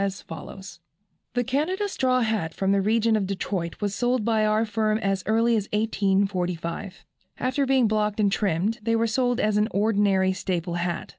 as follows: "The Canada straw hat from the region of Detroit was sold by our firm as early as 1845. After being blocked and trimmed, they were sold as an ordinary staple hat.